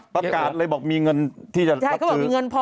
ประกาศเลยบอกมีเงินที่จะพักคือ